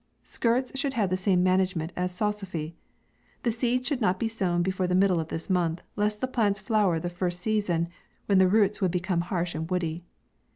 Skirrets should have the same manage ment as salsafy. The seed should not be sown before the middle of this month, lest the plants flower the first season, when the roots would become harsh and woody.